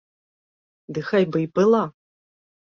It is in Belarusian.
Ды хай бы й была.